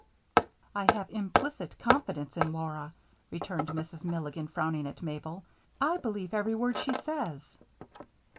"I have implicit confidence in Laura," returned Mrs. Milligan, frowning at Mabel. "I believe every word she says."